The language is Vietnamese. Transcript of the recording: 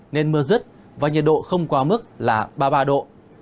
nên mưa rứt và nhiệt độ không quá mức là ba mươi ba độ